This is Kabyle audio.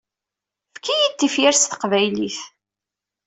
Efk-iyi-d tifyar s teqbaylit.